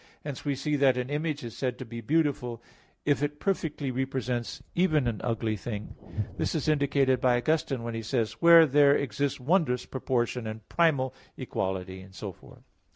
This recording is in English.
Hence we see that an image is said to be beautiful, if it perfectly represents even an ugly thing. This is indicated by Augustine when he says (De Trin. vi, 10), "Where there exists wondrous proportion and primal equality," etc.